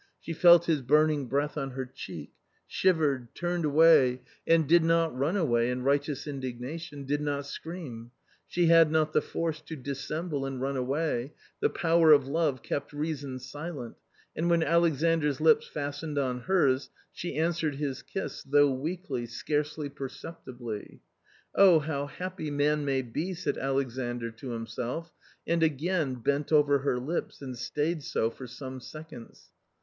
She felt his burning breath on her cheek, shivered, turned away and — did not run away in righteous indignation, did not scream ! She had not the force to dissemble and run away; the power of love kept reason silent, and when Alexandras lips fastened on hers, she answered his kiss, though weakly, scarcely perceptibly. ^"" Oh, how happy man may be !" said Alexandr to himself, and again bent over her lips and stayed so for some seconds.